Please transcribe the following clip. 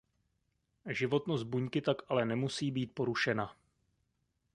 Životnost buňky tak ale nemusí být porušena.